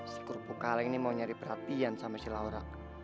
si kerupuk kaleng ini mau nyari perhatian sama si laura